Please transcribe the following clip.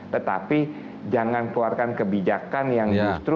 tetapi jangan keluarkan kebijakan yang tidak bisa diberikan